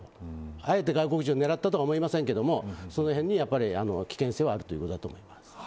あえて外国人を狙ったとは思いませんがそのへんに危険性はあるということだと思います。